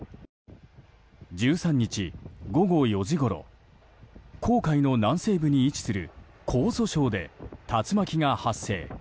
１３日、午後４時１５分ごろ黄海の南西部に位置する江蘇省で竜巻が発生。